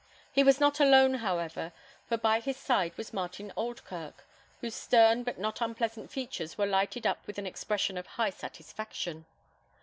He was not alone, however, for by his side was Martin Oldkirk, whose stern but not unpleasant features were lighted up with an expression of high satisfaction.